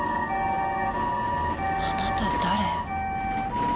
あなた誰？